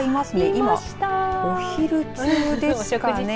今、お昼中ですかね。